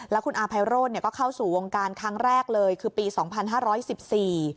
แล้วคุณอาภัยโรธเนี่ยก็เข้าสู่วงการครั้งแรกเลยคือปีสองพันห้าร้อยสิบสี่